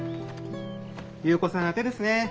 優子さん宛ですね。